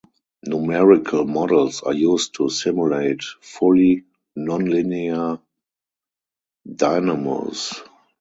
Numerical models are used to simulate fully nonlinear dynamos.